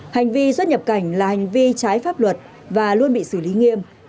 hành vi xuất nhập cảnh là hành vi trái pháp luật và luôn bị xử lý nghiêm